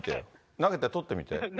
投げて捕ってみて。